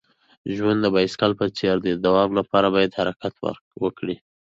ژوند د بایسکل په څیر دی. د دوام لپاره باید حرکت وکړې.